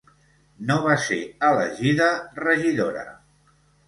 No va ser elegida regidora.